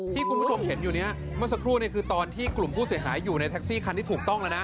คุณผู้ชมเห็นอยู่นี้เมื่อสักครู่คือตอนที่กลุ่มผู้เสียหายอยู่ในแท็กซี่คันที่ถูกต้องแล้วนะ